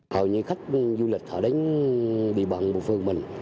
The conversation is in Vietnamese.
hầu như khách du lịch họ đến đi bận một phương mình